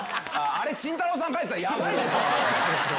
あれ慎太郎さんが描いてたらヤバいでしょ。